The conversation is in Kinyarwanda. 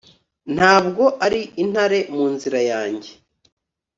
Ntabwo ari intare mu nzira yanjye